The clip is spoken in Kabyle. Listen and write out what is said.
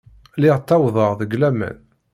Lliɣ ttawḍeɣ deg lawan.